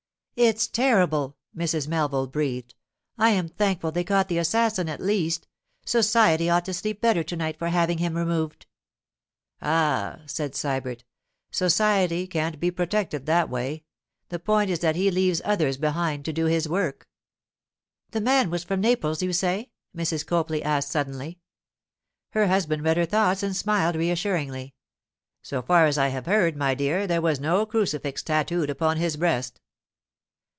'It's terrible!' Mrs. Melville breathed. 'I am thankful they caught the assassin at least. Society ought to sleep better to night for having him removed.' 'Ah,' said Sybert, 'Society can't be protected that way. The point is that he leaves others behind to do his work.' 'The man was from Naples, you say?' Mrs. Copley asked suddenly. Her husband read her thoughts and smiled reassuringly. 'So far as I have heard, my dear, there was no crucifix tattooed upon his breast.